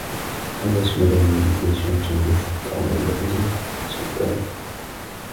Adashmaganingizga ishonchingiz komilmi o`zi, Kichkintoy